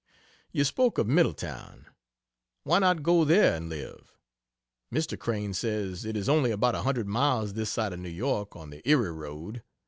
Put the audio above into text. You spoke of Middletown. Why not go there and live? Mr. Crane says it is only about a hundred miles this side of New York on the Erie road.